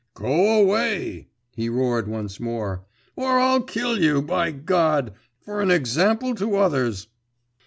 … 'Go away!' he roared once more, 'or I'll kill you, by God! for an example to others!